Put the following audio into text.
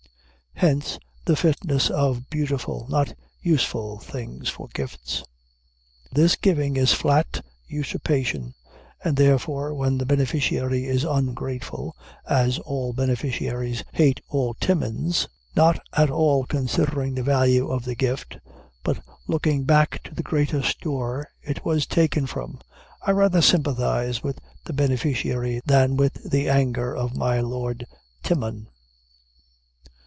Hence the fitness of beautiful, not useful things for gifts. This giving is flat usurpation, and therefore when the beneficiary is ungrateful, as all beneficiaries hate all Timons, not at all considering the value of the gift, but looking back to the greater store it was taken from, I rather sympathize with the beneficiary than with the anger of my lord Timon.